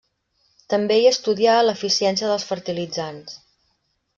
També hi estudià l'eficiència dels fertilitzants.